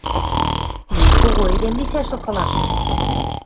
Мӹнь кого эдем лишӓшлык ылам вет.